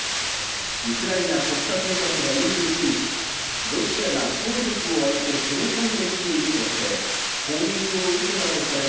ウクライナ国家警察は２９日、ロシアが総力を挙げて攻め込んできているとして、攻撃を受けたとされる